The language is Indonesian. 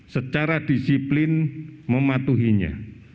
secara disiplin mematuhinya